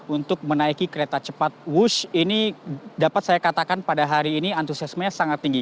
untuk menaiki kereta cepat wush ini dapat saya katakan pada hari ini antusiasmenya sangat tinggi